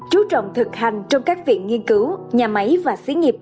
chú trọng thực hành trong các viện nghiên cứu nhà máy và xí nghiệp